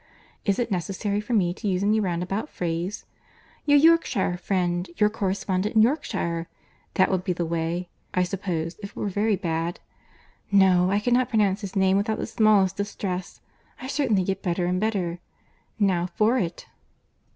Is it necessary for me to use any roundabout phrase?—Your Yorkshire friend—your correspondent in Yorkshire;—that would be the way, I suppose, if I were very bad.—No, I can pronounce his name without the smallest distress. I certainly get better and better.—Now for it."